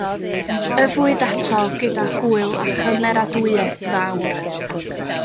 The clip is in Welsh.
Yfwyd ato gyda hwyl a chymeradwyaeth fawr.